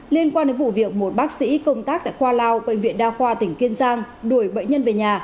liên quan đến vụ việc một bác sĩ công tác tại khoa lao bệnh viện đa khoa tỉnh kiên giang đuổi bệnh nhân về nhà